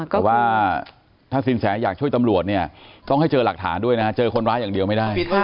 แต่ว่าถ้าสินแสอยากช่วยตำรวจเนี่ยต้องให้เจอหลักฐานด้วยนะฮะเจอคนร้ายอย่างเดียวไม่ได้